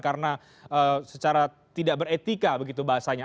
karena secara tidak beretika begitu bahasanya